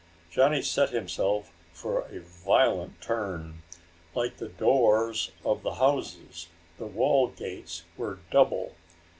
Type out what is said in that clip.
Johnny set himself for a violent turn. Like the doors of the houses, the wall gates were double.